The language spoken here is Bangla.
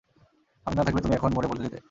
আমি না থাকলে তুমি এখন মরে পঁচে যেতে।